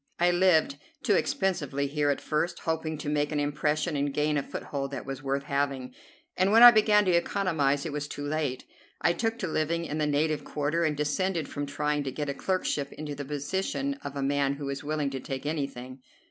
I lived too expensively here at first, hoping to make an impression and gain a foothold that was worth having, and when I began to economize it was too late. I took to living in the native quarter, and descended from trying to get a clerkship into the position of a man who is willing to take anything.